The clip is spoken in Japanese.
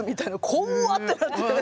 「こわっ」ってなって。